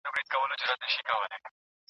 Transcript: که ښځه صالحه وي نو ژوند نه تریخیږي.